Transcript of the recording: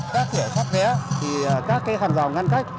các thẻ phát vé các cái hàng rào ngăn cách